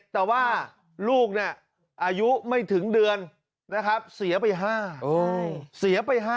แต่ว่าลูกเนี่ยอายุไม่ถึงเดือนเสียไป๕